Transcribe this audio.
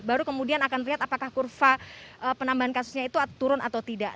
baru kemudian akan lihat apakah kurva penambahan kasusnya itu turun atau tidak